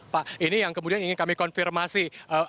pak ini yang kemudian ingin kami konfirmasi